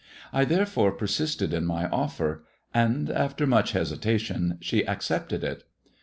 I therefore per sisted in my offer ; and after much hesitation she accepted it.